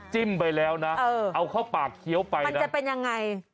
จิ้มไปแล้วนะเอาเข้าปากเคี้ยวไปมันจะเป็นยังไง